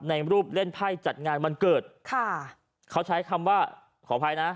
ในรูปเล่นไพ่จัดงานวันเกิดค่ะเขาใช้คำว่าขออภัยนะ